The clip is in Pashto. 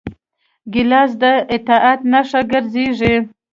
ګیلاس د اطاعت نښه ګرځېږي.